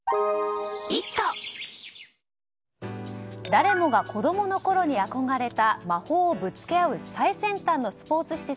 誰もが子供のころに憧れた魔法をぶつけ合う最先端のスポーツ施設